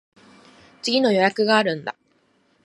次の予約があるんだ。